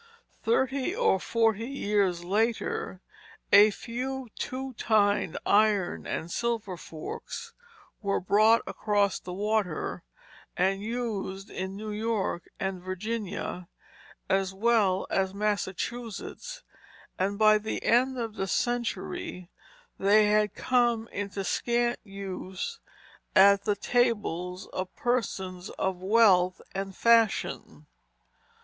Thirty or forty years later a few two tined iron and silver forks were brought across the water, and used in New York and Virginia, as well as Massachusetts; and by the end of the century they had come into scant use at the tables of persons of wealth and fashion.